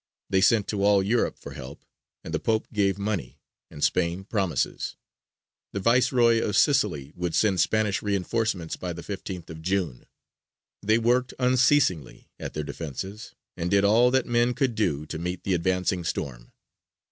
They sent to all Europe for help, and the Pope gave money, and Spain promises: the Viceroy of Sicily would send Spanish reinforcements by the 15th of June. They worked unceasingly at their defences and did all that men could do to meet the advancing storm.